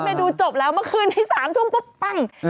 รถเมศดูจบแล้วเมื่อคืนที่สามช่วงปุ๊บปัง